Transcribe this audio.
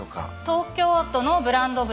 東京都のブランド豚